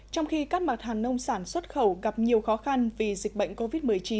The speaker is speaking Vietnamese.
trong khi các mặt hàng nông sản xuất khẩu gặp nhiều khó khăn vì dịch bệnh covid một mươi chín